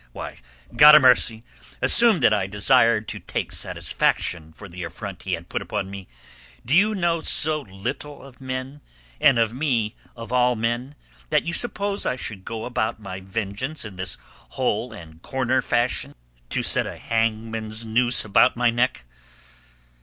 Why God o' mercy! assume that I desired to take satisfaction for the affront he had put upon me; do you know so little of men, and of me of all men, that you suppose I should go about my vengeance in this hole and corner fashion to set a hangman's noose about my neck.